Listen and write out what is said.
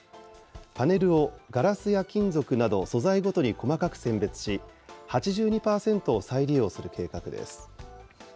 パネルをガラスや金属など素材ごとに細かく選別し、８２％を再利用する計画です。